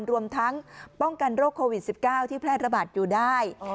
รวมทั้งป้องกันโรคโควิด๑๙ที่แพร่ระบาดอยู่ได้